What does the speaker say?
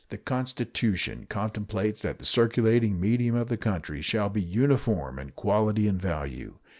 The Constitution contemplates that the circulating medium of the country shall be uniform in quality and value.